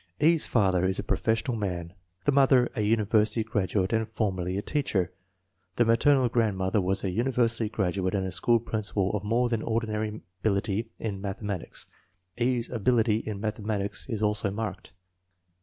E.'s father is a professional man: the mother a uni versity graduate and formerly a teacher. The mater nal grandmother was a university graduate and a school principal of more than ordinary ability in math ematics. E.'s ability in mathematics is also marked.